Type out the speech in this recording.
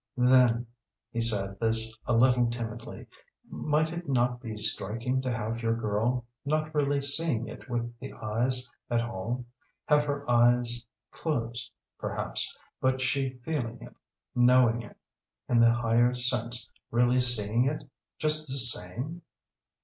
"Then," he said this a little timidly "might it not be striking to have your girl, not really seeing it with the eyes at all? Have her eyes closed, perhaps, but she feeling it, knowing it, in the higher sense really seeing it, just the same?"